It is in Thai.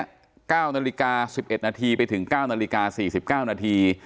๙นาฬิกา๑๑นาทีไปถึง๙นาฬิกา๔๙นาที